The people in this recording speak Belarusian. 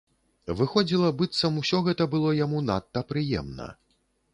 Выходзіла, быццам усё гэта было яму надта прыемна.